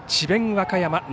和歌山。